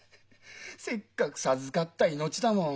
「せっかく授かった命だもん。